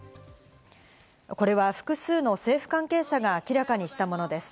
これは複数の政府関係者が明らかにしたものです。